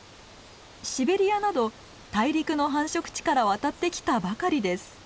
シベリアなど大陸の繁殖地から渡ってきたばかりです。